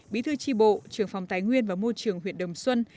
bí thư tri bộ trường phòng tái nguyên và môi trường huyện đồng xuân